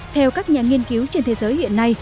theo các nhà nghiên cứu trên thế giới hiện nay